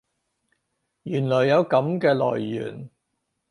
原來有噉嘅來源